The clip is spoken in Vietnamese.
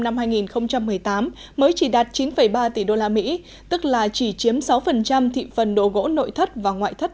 năm hai nghìn một mươi tám mới chỉ đạt chín ba tỷ đô la mỹ tức là chỉ chiếm sáu thị phần đồ gỗ nội thất và ngoại thất